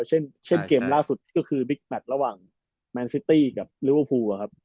เช่นเกมล่าสุดก็คือบิ๊กแมทระหว่างแมนซิตี้กับลิเวอร์พูลครับ